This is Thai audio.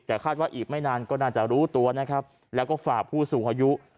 แต่คาดว่าอีกไม่นานก็น่าจะรู้ตัวนะครับแล้วก็ฝากผู้สูงอายุ